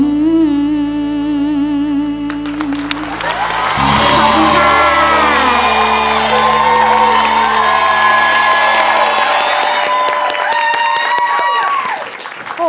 เพลงกลม